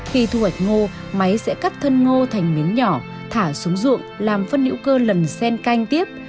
khi thu hoạch ngô máy sẽ cắt thân ngô thành miếng nhỏ thả xuống ruộng làm phân nữ cơ lần sen canh tiếp